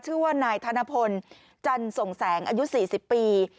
ชื่อว่านายธนพลจันส่งแสงอายุ๔๐ปี